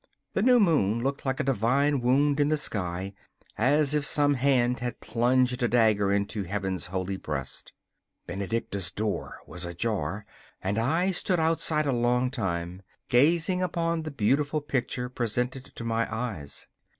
The new moon looked like a divine wound in the sky, as if some hand had plunged a dagger into Heaven's holy breast. Benedicta's door was ajar, and I stood outside a long time, gazing upon the beautiful picture presented to my eyes.